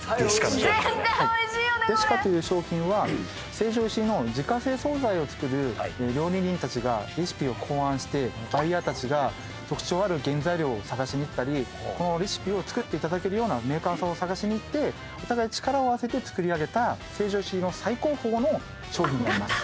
ｄｅｓｉｃａという商品は成城石井の自家製総菜を作る料理人たちがレシピを考案してバイヤーたちが特徴ある原材料を探しに行ったりこのレシピを作っていただけるようなメーカーさんを探しに行ってお互い力を合わせて作り上げた成城石井の最高峰の商品になります。